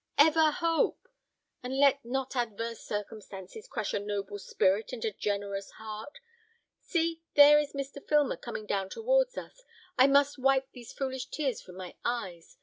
ever hope! and let not adverse circumstances crush a noble spirit and a generous heart. See, there is Mr. Filmer coming down towards us; I must wipe these foolish tears from my eyes.